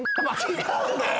違うねん！